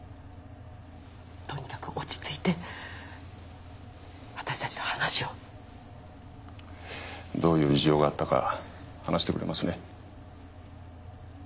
とにかく落ち着いて私たちの話をどういう事情があったか話してくれますね？